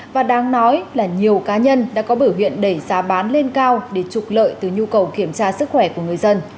và đáng nói là nhiều cá nhân đã có biểu hiện đẩy giá bán lên cao để trục lợi từ nhu cầu kiểm tra sức khỏe của người dân